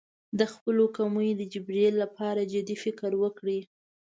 د خپلو کمیو د جبېرې لپاره جدي فکر وکړي.